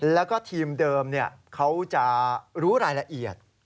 แล้วก็ทีมเดิมเขาจะรู้รายละเอียด